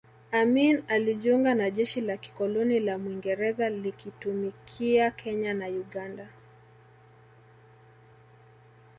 Amin alijiunga na jeshi la kikoloni la Mwingereza likitumikia Kenya na Uganda